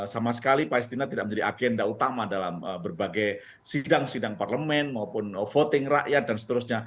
sama sekali palestina tidak menjadi agenda utama dalam berbagai sidang sidang parlemen maupun voting rakyat dan seterusnya